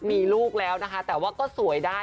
มีลูกแล้วนะคะแต่ว่าก็สวยได้